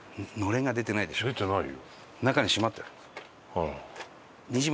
出てないよ。